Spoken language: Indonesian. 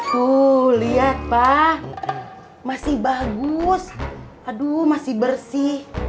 tuh lihat pak masih bagus aduh masih bersih